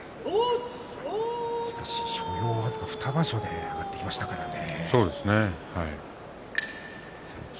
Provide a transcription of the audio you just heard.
しかし、所要僅か２場所で上がってきましたからね。